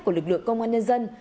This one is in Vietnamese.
của lực lượng công an nhân dân